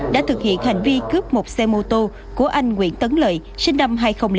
đã thực hiện hành vi cướp một xe mô tô của anh nguyễn tấn lợi sinh năm hai nghìn sáu